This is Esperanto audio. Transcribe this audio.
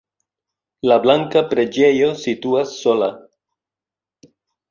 La blanka preĝejo situas sola.